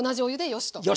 よし！